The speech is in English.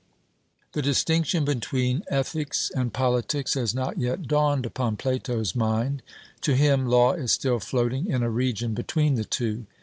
The distinction between ethics and politics has not yet dawned upon Plato's mind. To him, law is still floating in a region between the two.